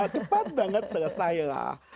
cepat banget selesailah